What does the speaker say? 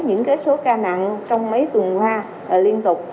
những số ca nặng trong mấy tuần qua liên tục